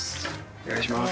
お願いします。